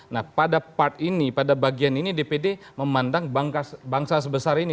nah pada part ini pada bagian ini dpd memandang bangsa sebesar ini